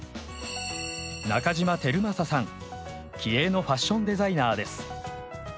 気鋭のファッションデザイナーです。